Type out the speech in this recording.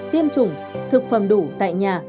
tiêm chủng thực phẩm đủ tại nhà